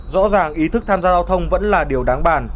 rõ ràng ý thức tham gia giao thông vẫn là điều đáng bàn